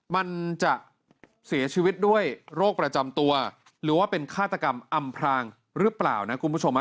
มันจะเสียชีวิตด้วยโรคประจำตัวหรือว่าเป็นฆาตกรรมอำพรางหรือเปล่านะคุณผู้ชม